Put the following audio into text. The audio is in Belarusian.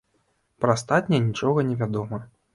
Пра астатнія нічога не вядома.